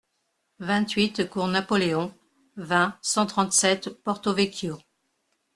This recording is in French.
vingt-huit cours Napoléon, vingt, cent trente-sept, Porto-Vecchio